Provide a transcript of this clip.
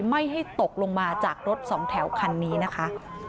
ไม่ให้ตกลงมาจากรถสองแถวคันนี้นะคะ